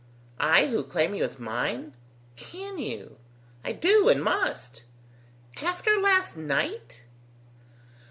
"I who claim you as mine?" "Can you?" "I do and must." "After last night?"